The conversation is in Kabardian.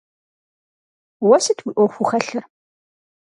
Уэ сыт уи ӏуэхуу хэлъыр?